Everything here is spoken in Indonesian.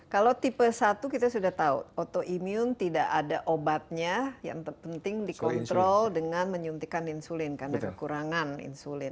kalau tipe satu kita sudah tahu autoimun tidak ada obatnya yang terpenting dikontrol dengan menyuntikan insulin karena kekurangan insulin